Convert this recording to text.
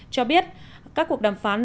cho biết các cuộc đàm phán